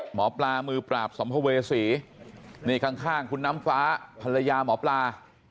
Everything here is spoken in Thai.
หมอปลามือปราบสัมภเวษีนี่ข้างคุณน้ำฟ้าภรรยาหมอปลา